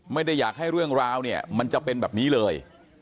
ไม่ได้อยากให้เรื่องราวเนี่ยมันจะเป็นแบบนี้เลย